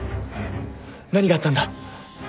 何があったんだ？